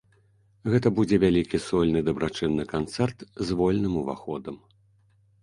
Гэта будзе вялікі сольны дабрачынны канцэрт з вольным уваходам.